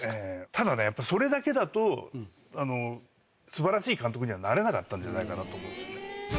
ただねやっぱそれだけだと素晴らしい監督にはなれなかったんじゃないかなと思うんですよね。